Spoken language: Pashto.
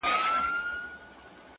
دا د جرګو دا د وروریو وطن.!